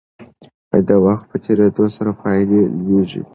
د وخت په تیریدو سره پایلې لویېږي.